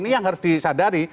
ini yang harus disadari